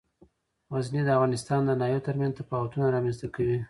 غزني د افغانستان د ناحیو ترمنځ تفاوتونه رامنځ ته کوي.